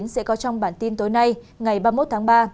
sẽ có trong bản tin tối nay ngày ba mươi một tháng ba